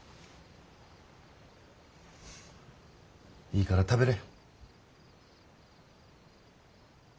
いいから食べれ。